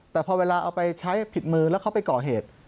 แต่พอเวลาเอาไปใช้ผิดมือแล้วเขาไปก่อเหตุ